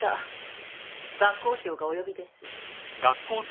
学校長がお呼びです。